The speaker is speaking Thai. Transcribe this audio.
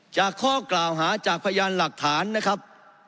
ข้อกล่าวหาจากพยานหลักฐานนะครับ